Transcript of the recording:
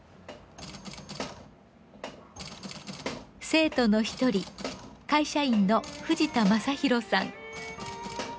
生徒の一人会社員の藤田直宏さん。